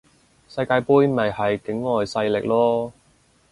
世界盃咪係境外勢力囉